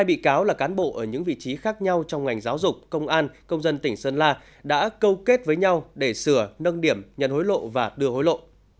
một mươi bị cáo là cán bộ ở những vị trí khác nhau trong ngành giáo dục công an công dân tỉnh sơn la đã câu kết với nhau để sửa nâng điểm nhận hối lộ và đưa hối lộ